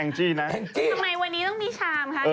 แองจิทำไมวันนี้ต้องมีชามคะแองจิ